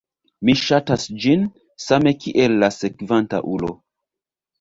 Mi sxatas ĝin, same kiel la sekvanta ulo